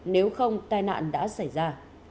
nếu không tai nạn đã xảy ra